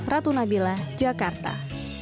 ratu nabilah jakarta